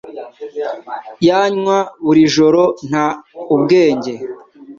Yanywa buri joro nta ubwenge